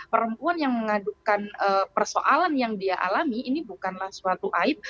perempuan yang mengadukan persoalan yang dia alami ini bukanlah suatu aib